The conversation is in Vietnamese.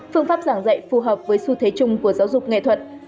phương pháp giảng dạy phù hợp với xu thế chung của giáo dục nghệ thuật